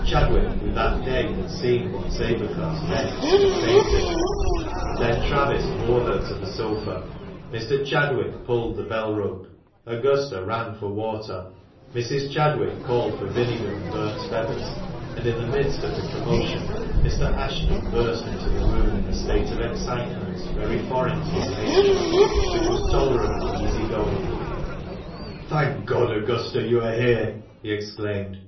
Chadwick, who that day had seen what sabre cuts meant, had fainted; Ben Travis bore her to the sofa, Mr. Chadwick pulled the bell rope, Augusta ran for water, Mrs. Chadwick called for vinegar and burnt feathers, and in the midst of the commotion Mr. Ashton burst into the room in a state of excitement very foreign to his nature, which was tolerably easy going. " Thank God, Augusta, you are here !" he exclaimed.